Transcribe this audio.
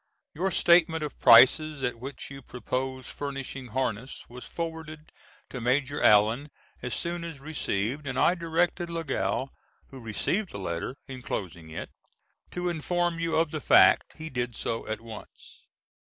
Your statement of prices at which you proposed furnishing harness was forwarded to Maj. Allen as soon as received and I directed Lagow, who received the letter enclosing it, to inform you of the fact. He did so at once.